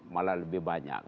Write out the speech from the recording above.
malah lebih banyak